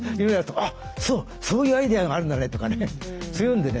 あっそうそういうアイデアがあるんだねとかいうんでね